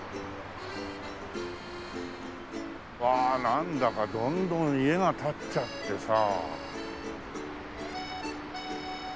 うわあなんだかどんどん家が建っちゃってさ。